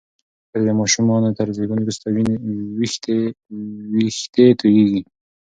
ښځې د ماشومانو تر زیږون وروسته وېښتې تویېږي.